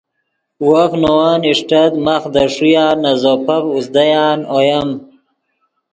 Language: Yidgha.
وف نے ون اݰٹت ماخ دے ݰویہ نے زوپف اوزدیان اویم